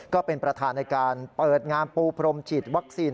ก็เป็นประธานในการเปิดงานปูพรมฉีดวัคซีน